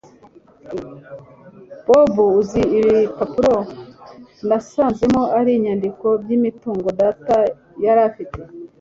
bobi uziko ibipapuro nasanzemo ari ibyandiko byimitungo data yarafite